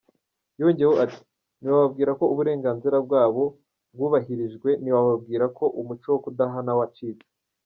Yongeyeho ati “ Ntiwababwira ko Uburenganzira bwabo bwubahirijwe, ntiwababwira ko umuco wo kudahana wacitse.